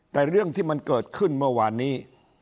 แต่เรื่องที่มันเกิดขึ้นเมื่อวานนี้